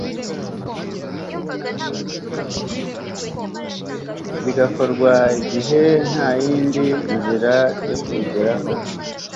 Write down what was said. bigakorwa igihe nta yindi nzira yo kubigeraho